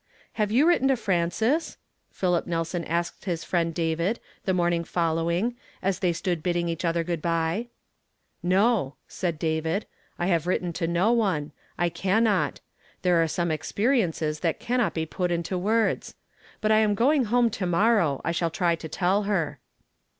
" Have you written to Frances ?" Philip Nelson asked his friend David the morning following, as they stood bidding each other good by. " No," said David, " I have written to no one. I cannot. There are some experiences that can not be put into words. But I am going home to morrow. I shall try to tell her."